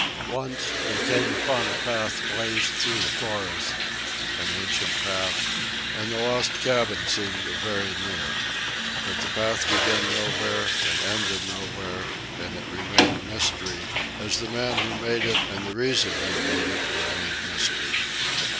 Once, they came upon a path blazed through the forest, an ancient path, and the Lost Cabin seemed very near. But the path began nowhere and ended nowhere, and it remained mystery, as the man who made it and the reason he made it remained mystery.